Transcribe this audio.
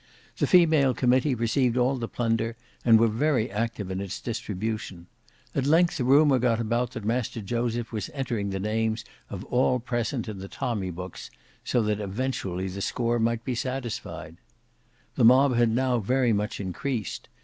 The female committee received all the plunder and were very active in its distribution. At length a rumour got about that Master Joseph was entering the names of all present in the tommy books, so that eventually the score might be satisfied. The mob had now very much increased.